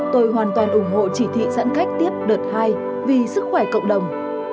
tôi hoàn toàn ủng hộ chỉ thị giãn cách tiếp đợt hai vì sức khỏe cộng đồng